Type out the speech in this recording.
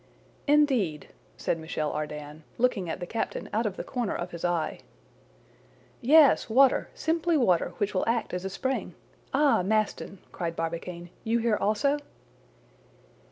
"Indeed?" said Michel Ardan, looking at the captain out of the corner of his eye. "Yes! water! simply water, which will act as a spring—ah! Maston," cried Barbicane, "you here also?"